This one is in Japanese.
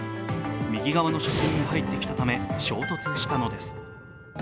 右側の車線に入ってきたため衝突したのです。